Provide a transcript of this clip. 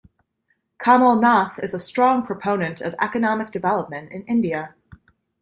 Kamal Nath is a strong proponent of economic development in India.